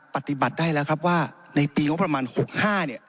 ปฏิบัติได้แล้วครับว่าในปีงบประมาณ๖๕เนี่ย